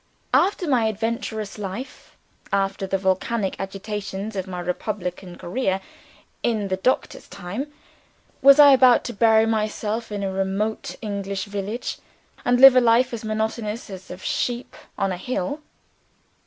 After my adventurous life after the volcanic agitations of my republican career in the Doctor's time was I about to bury myself in a remote English village, and live a life as monotonous as the life of a sheep on a hill?